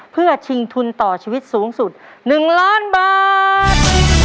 เพื่อชิงทุนต่อชีวิตสูงสุด๑ล้านบาท